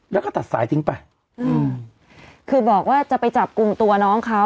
แล้วก็ตัดสายทิ้งไปอืมคือบอกว่าจะไปจับกลุ่มตัวน้องเขา